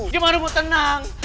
gimana mau tenang